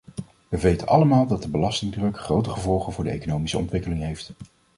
We weten allemaal dat de belastingdruk grote gevolgen voor de economische ontwikkeling heeft.